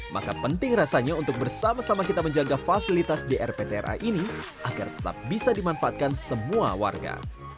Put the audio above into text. maka penting rasanya untuk bersama sama kita menjaga fasilitas di rptra ini agar tetap bisa dimanfaatkan semua warga